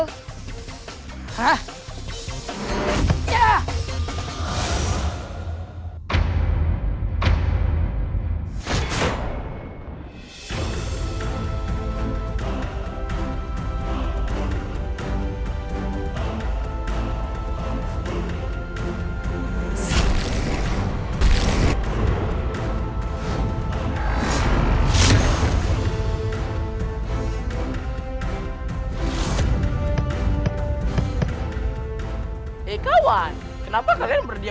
hei kawan kenapa kalian berdiam diri saja